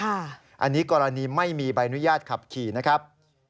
อันนี้กรณีไม่มีใบอนุญาตขับขี่นะครับ